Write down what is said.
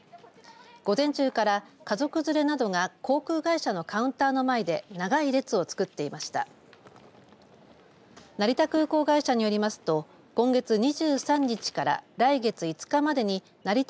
午前中から、家族連れなどが航空会社のカウンターの前で長い列を作っていました。